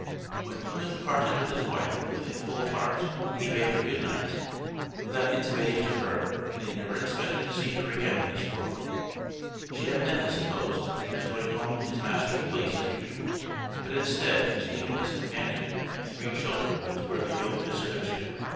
When Plymouth parted with his wife with a "full heart," he bade her good night, without intimating to her that he never expected to see her again in this world; she evidently supposed that he was going home to his master's place as usual, but instead he was leaving his companion and three children to wear the yoke as hitherto.